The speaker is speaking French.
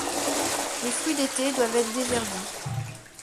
Les fruits d'été doivent être déverdis.